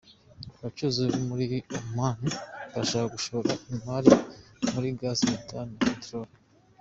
Abacuruzi bo muri Oman barashaka gushora imari muri Gaz metane na Peteroli